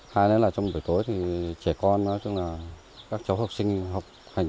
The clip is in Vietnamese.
hai lẽ là trong buổi tối thì trẻ con các cháu học sinh học hành